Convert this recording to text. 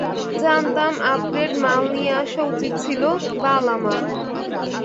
জানতাম আপগ্রেড মাল নিয়ে আসা উচিত ছিল, বাল আমার।